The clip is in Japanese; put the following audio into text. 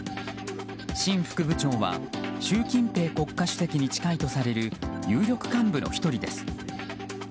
シン副部長は習近平国家主席に近いとされる有力幹部の１人です。